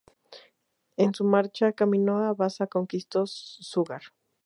En su marcha camino a Baza conquistó Zújar.